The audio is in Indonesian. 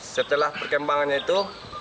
setelah perkembangannya itu